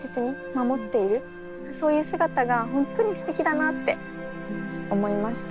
そういう姿が本当にすてきだなって思いました。